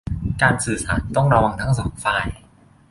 การสื่อสารต้องระวังทั้งสองฝ่าย